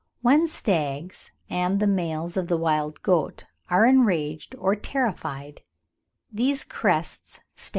When stags, and the males of the wild goat, are enraged or terrified, these crests stand erect (14.